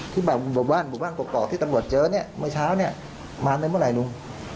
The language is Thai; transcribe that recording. ที่บุบบ้านบุบบ้านกรอกกรอกที่ตำรวจเจอเนี่ยเมื่อเช้าเนี่ยมาในเมื่อไหร่ลุง